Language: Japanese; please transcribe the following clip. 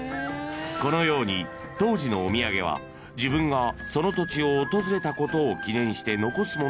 ［このように当時のお土産は自分がその土地を訪れたことを記念して］